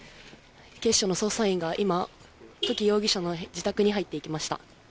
警視庁の捜査員が今、土岐容疑者の自宅に入っていきました。